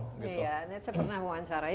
iya saya pernah mewawancarai